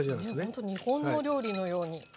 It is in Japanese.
ほんと日本の料理のように。